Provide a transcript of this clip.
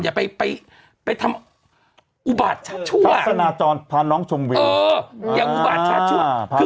อย่าไปไปไปทำอุบาทชัดชั่วภาษณาจรภานน้องชมวินเอออย่าอุบาทชัดชั่ว